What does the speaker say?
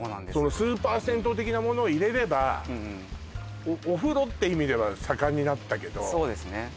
スーパー銭湯的なものを入れればお風呂って意味では盛んになったけどそうですね